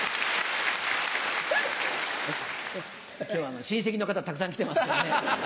きょうは親戚の方、たくさん来てますからね。